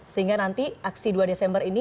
sehingga nanti aksi dua desember ini